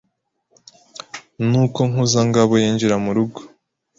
Nuko Nkunzabagabo yinjira murugo